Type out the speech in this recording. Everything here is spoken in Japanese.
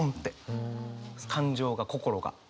感情が心が。